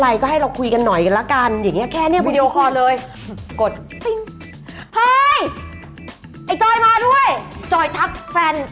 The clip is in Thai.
ใช่ก็ให้เราคุยกันหน่อยกันแล้วล่ะกัน